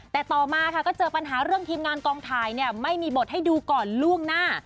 แต่ต่อมาค่ะก็เจอปัญหาเรื่องทีมงานกองถ่ายไม่มีบทให้ดูก่อนล่วงหน้า